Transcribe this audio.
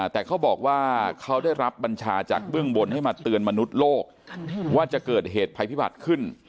แต่เขาบอกว่าเขาได้รับบัญชาจากเบื้องบนให้มาเตือนมนุษย์โลกว่าจะเกิดเหตุภัยพิบัติขึ้น